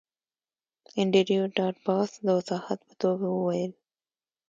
انډریو ډاټ باس د وضاحت په توګه وویل